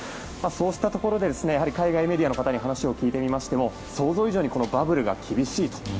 そうしたところで海外メディアの方に話を聞いてみましても想像以上にバブルが厳しいと。